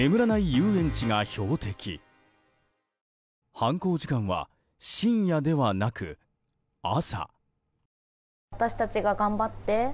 犯行時間は深夜ではなく朝。